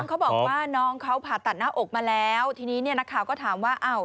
เขาบอกว่าน้องเขาผ่าตัดหน้าอกมาแล้วทีนี้เนี่ยนักข่าวก็ถามว่าอ้าว